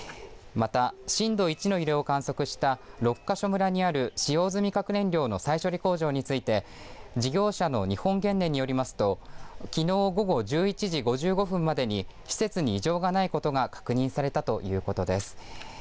また、震度１の揺れを観測した六ヶ所村にある使用済み核燃料の再処理工場について事業者の日本原燃によりますときのう午後１１時５５分までに施設に異常がないことが確認されたということです。